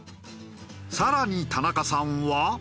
更に田中さんは。